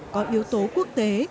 có yếu tố quốc tế